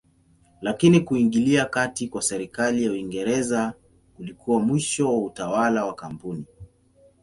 Lakini kuingilia kati kwa serikali ya Uingereza kulikuwa mwisho wa utawala wa kampuni.